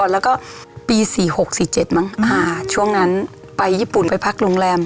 แล้วก็ปี๔๖๔๗ช่วงนั้นไปญี่ปุ่นอยู่พรรคโรงแรม